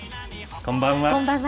こんばんは。